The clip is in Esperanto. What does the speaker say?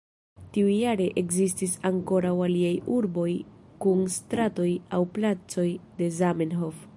Tiujare ekzistis ankoraŭ aliaj urboj kun stratoj aŭ placoj de Zamenhof.